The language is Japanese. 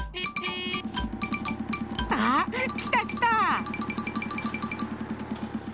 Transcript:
あきたきた！